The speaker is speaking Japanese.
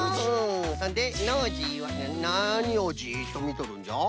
そんでノージーはなにをジッとみとるんじゃ？